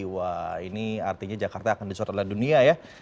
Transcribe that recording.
wah ini artinya jakarta akan disorot oleh dunia ya